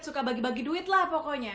suka bagi bagi duit lah pokoknya